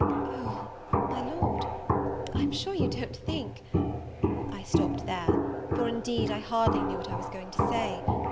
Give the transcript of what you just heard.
"O, my Lord, I'm sure you don't think " I stopt there; for, indeed, I hardly knew what I was going to say.